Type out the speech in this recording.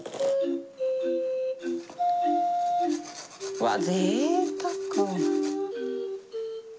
うわっぜいたく。